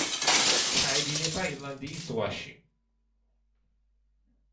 ჩაედინება ირლანდიის ზღვაში.